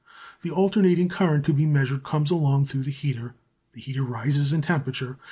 The alternating current to be measured comes along through the heater. The heater rises in temperature.